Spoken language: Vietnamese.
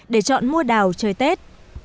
để chọn mua đào chơi tết